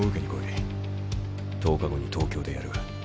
１０日後に東京でやる。